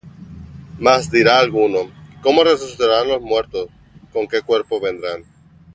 Mas dirá alguno: ¿Cómo resucitarán los muertos? ¿Con qué cuerpo vendrán?